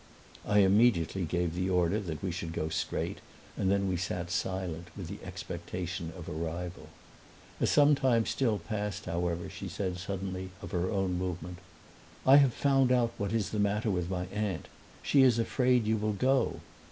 I immediately gave the order that we should go straight; and then we sat silent with the expectation of arrival. As some time still passed, however, she said suddenly, of her own movement, "I have found out what is the matter with my aunt: she is afraid you will go!"